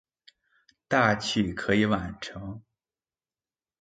大器可以晚成